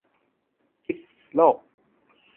พิดโลก